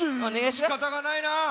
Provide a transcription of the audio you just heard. しかたがないなあ。